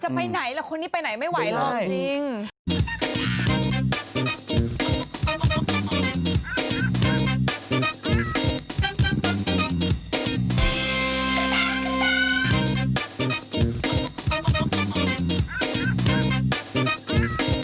ไปไหนล่ะคนนี้ไปไหนไม่ไหวหรอกจริง